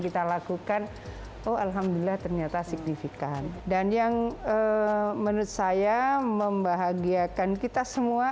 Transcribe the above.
kita lakukan oh alhamdulillah ternyata signifikan dan yang menurut saya membahagiakan kita semua